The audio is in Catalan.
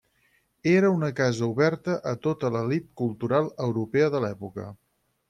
Era una casa oberta a tota l'elit cultural europea de l'època.